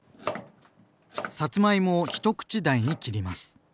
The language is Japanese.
さつまいもを一口大に切ります。